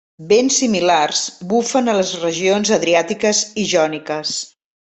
Vents similars bufen a les regions adriàtiques i jòniques.